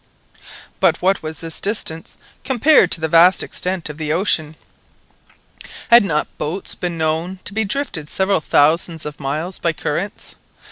But what was this distance compared to the vast extent of the ocean? Had not boats been known to be drifted several thousands of miles by currents?